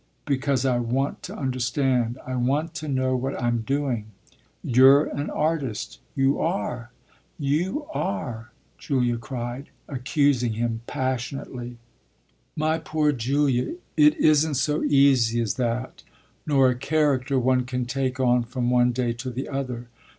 "Because I want to understand, I want to know what I'm doing. You're an artist: you are, you are!" Julia cried, accusing him passionately. "My poor Julia, it isn't so easy as that, nor a character one can take on from one day to the other.